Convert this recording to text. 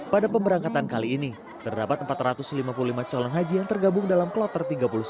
pada pemberangkatan kali ini terdapat empat ratus lima puluh lima calon haji yang tergabung dalam kloter tiga puluh sembilan